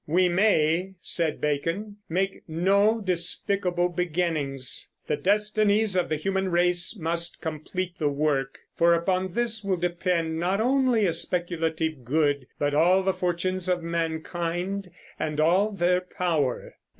"We may," said Bacon, "make no despicable beginnings. The destinies of the human race must complete the work ... for upon this will depend not only a speculative good but all the fortunes of mankind and all their power."